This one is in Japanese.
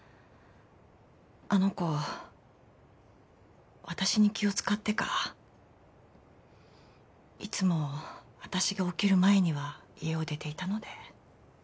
あの子私に気を使ってかいつも私が起きる前には家を出ていたので。